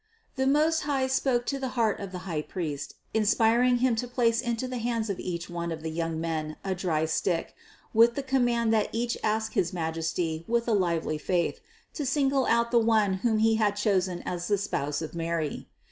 The Most High spoke to the heart of the highpriest, inspiring him to place into the hands of each one of the young men a dry stick, with the com mand that each ask his Majesty with a lively faith, to single out the one whom He had chosen as the spouse of Mary.